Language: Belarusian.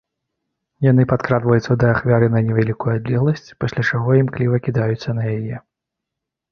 Яны падкрадваюцца да ахвяры на невялікую адлегласць, пасля чаго імкліва кідаюцца на яе.